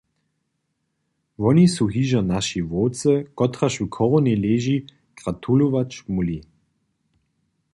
Woni su hižo našej wowce, kotraž w chorowni leži, gratulować móhli.